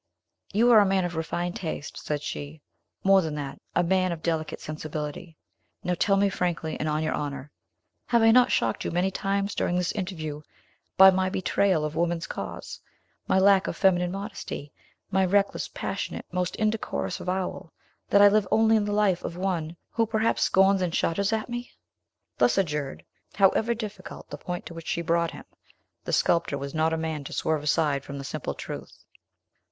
"You are a man of refined taste," said she; "more than that, a man of delicate sensibility. Now tell me frankly, and on your honor! Have I not shocked you many times during this interview by my betrayal of woman's cause, my lack of feminine modesty, my reckless, passionate, most indecorous avowal, that I live only in the life of one who, perhaps, scorns and shudders at me?" Thus adjured, however difficult the point to which she brought him, the sculptor was not a man to swerve aside from the simple truth.